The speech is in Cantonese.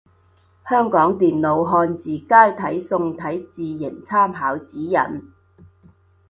香港電腦漢字楷體宋體字形參考指引